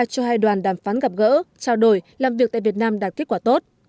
cho hai đoàn đàm phán gặp gỡ trao đổi làm việc tại việt nam đạt kết quả tốt